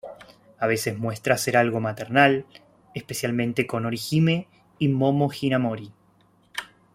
A veces muestra ser algo maternal, especialmente con Orihime y Momo Hinamori.